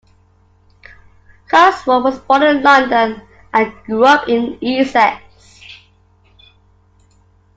Kunzru was born in London and grew up in Essex.